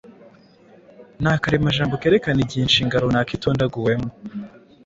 Ni akaremajambo kerekana igihe inshinga runaka itondaguwemo.